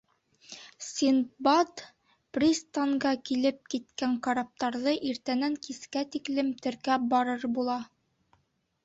Синдбад пристангә килеп киткән караптарҙы иртәнән кискә тиклем теркәп барыр була.